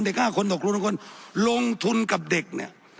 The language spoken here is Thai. เด็กห้าคนต่อครูหนึ่งคนลงทุนกับเด็กเนี่ย